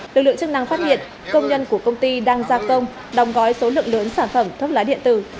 lực lượng chức năng phát hiện công nhân của công ty đang gia công đóng gói số lượng lớn sản phẩm thuốc lá điện tử